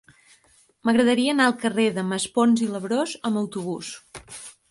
M'agradaria anar al carrer de Maspons i Labrós amb autobús.